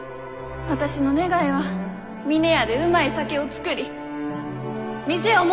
私の願いは峰屋でうまい酒を造り店をもっと大きゅうすること。